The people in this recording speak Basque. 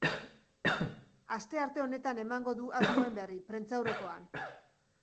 Astearte honetan emango du asmoen berri, prentsaurrekoan.